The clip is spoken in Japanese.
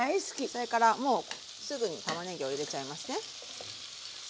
それからもうすぐにたまねぎを入れちゃいますね。